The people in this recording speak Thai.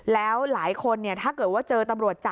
แล้วหลายคนถ้าเกิดว่าเจอตำรวจจับ